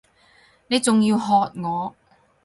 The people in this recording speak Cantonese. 你仲要喝我！